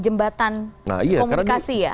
jembatan komunikasi ya nah iya